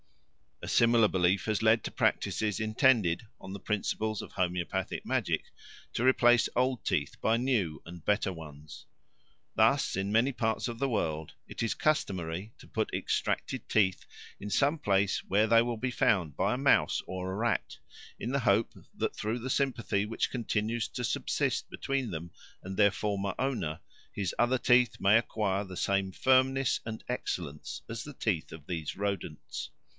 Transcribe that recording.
A similar belief has led to practices intended, on the principles of homoeopathic magic, to replace old teeth by new and better ones. Thus in many parts of the world it is customary to put extracted teeth in some place where they will be found by a mouse or a rat, in the hope that, through the sympathy which continues to subsist between them and their former owner, his other teeth may acquire the same firmness and excellence as the teeth of these rodents.